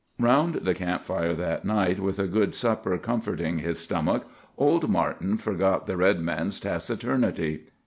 Round the camp fire that night, with a good supper comforting his stomach, Old Martin forgot the red man's taciturnity.